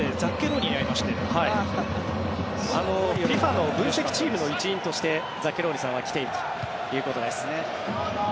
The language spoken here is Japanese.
ＦＩＦＡの分析チームの一員としてザッケローニさんは来ているということです。